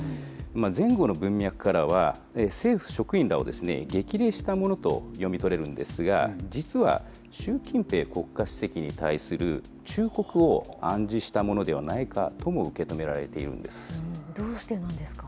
前後の文脈からは、政府職員らを激励したものと読み取れるんですが、実は習近平国家主席に対する忠告を暗示したものではないかとも受どうしてなんですか。